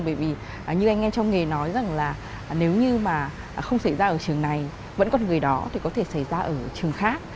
bởi vì như anh nghe trong nghề nói rằng là nếu như mà không xảy ra ở trường này vẫn còn người đó thì có thể xảy ra ở trường khác